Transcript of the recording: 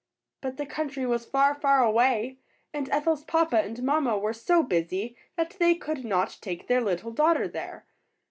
But the country was far, far away, and Ethel's papa and mamma were so busy that they could not take their little daughter there.